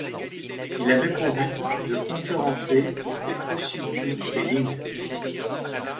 Il avait pour but de concurrencer les SpaceShipTwo et Lynx.